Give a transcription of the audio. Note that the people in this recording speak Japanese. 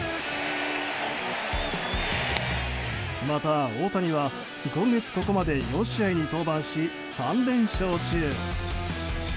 また大谷は今月ここまで４試合に登板し３連勝中。